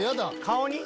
顔に？